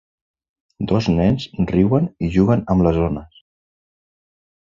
Dos nens riuen i juguen en les ones.